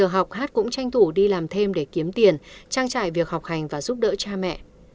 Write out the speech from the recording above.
học hát cũng tranh thủ đi làm thêm để kiếm tiền trang trải việc học hành và giúp đỡ cha mẹ